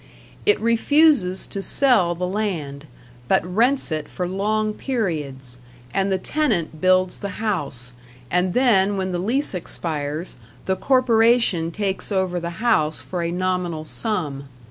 It refuses to sell the land, but rents it for long periods, and the tenant builds the house, and then when the lease expires, the Corporation takes over the house for a nominal sum.